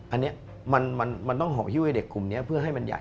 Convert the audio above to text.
อันนี้มันต้องหอกหิ้วให้เด็กกลุ่มนี้เพื่อให้มันใหญ่